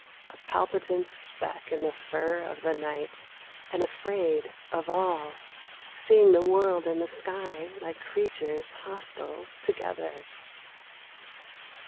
A palpitant speck in the fur of the night, and afraid of all, Seeing the world and the sky like creatures hostile together.